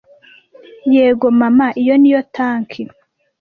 Yego mama iyo ni yo tanki!